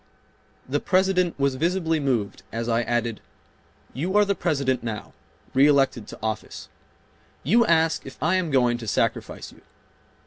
The President was visibly moved as I added, "You are the President now, reelected to office. You ask if I am going to sacrifice you.